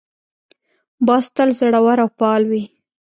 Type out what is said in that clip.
باز تل زړور او فعال وي